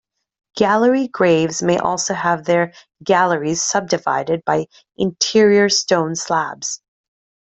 Gallery graves may also have their galleries subdivided by interior stone slabs.